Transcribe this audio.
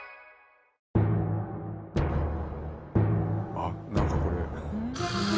あっ何かこれ。